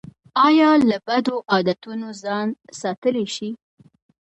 ایا له بدو عادتونو ځان ساتلی شئ؟